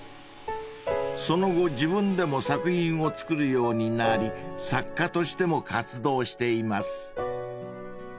［その後自分でも作品を作るようになり作家としても活動しています］